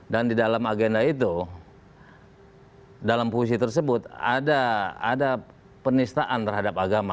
dan di dalam agenda itu dalam puisi tersebut ada penistaan terhadap agama